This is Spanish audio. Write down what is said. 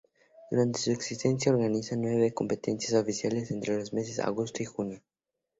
Durante su existencia, organizaba nueve competencias oficiales entre los meses de agosto y junio.